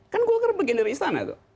kan golkar bagian dari istana tuh